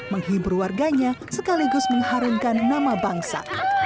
keluarganya sekaligus mengharungkan nama bangsa